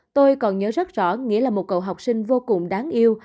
tôi còn nhớ rất rõ nghĩa là một cậu học sinh vô cùng đáng yêu